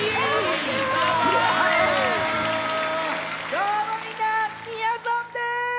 どうもみんなみやぞんです！